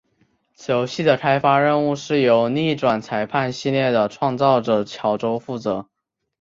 此游戏的开发任务是由逆转裁判系列的创造者巧舟负责。